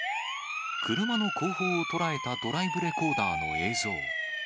車の後方を捉えたドライブレコーダーの映像。